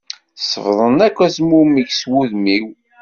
Sefḍen akk azmumeg seg wudem-iw.